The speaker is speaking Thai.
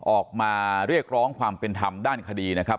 ออกมาเรียกร้องความเป็นธรรมด้านคดีนะครับ